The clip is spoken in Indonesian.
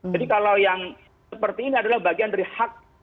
jadi kalau yang seperti ini adalah bagian dari hak